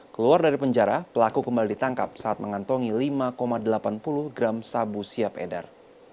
keluar dari penjara pelaku kembali ditangkap saat mengantongi lima delapan puluh gram sabu siap edar